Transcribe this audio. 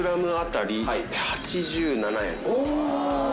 お。